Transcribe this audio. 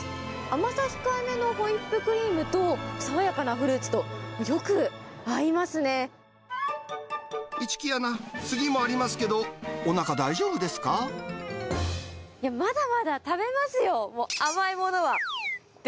甘さ控えめのホイップクリームと、爽やかなフルーツと、よく合いま市來アナ、次もありますけど、まだまだ食べますよ。